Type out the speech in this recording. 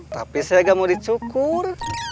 tapi saya gak mau dicukur